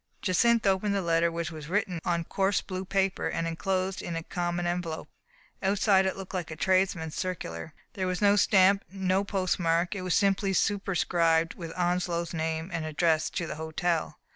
Jacynth opened the letter, which was written on coarse blue paper, and inclosed in a common envelope. Outside it looked like a tradesman's circular. There was no stamp, no postmark; it was simply superscribed with Onslow's name, and addressed to the hotel.